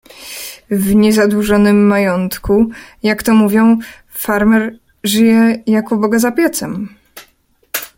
"W niezadłużonym majątku, jak to mówią, farmer żyje jak u Boga za piecem."